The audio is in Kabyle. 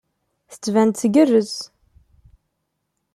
Tettban-d tgerrez.